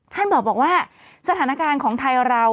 ท่านบอกว่าสถานการณ์ของไทยเรา